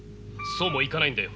そうもいかないんだよ。